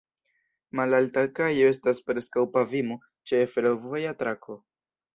Malalta kajo estas preskaŭ pavimo ĉe fervoja trako.